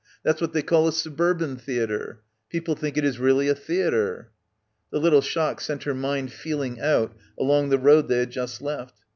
'That's what they call a suburban theatre. People think it is really a theatre." The little shock sent her mind feeling out along the road they had just left.